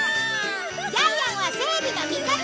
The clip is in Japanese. ジャイアンは正義の味方だ！